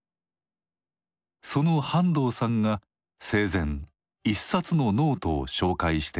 その半藤さんが生前一冊のノートを紹介していました。